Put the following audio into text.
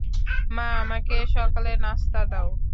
মা, আমাকে সকালের নাস্তা দাও।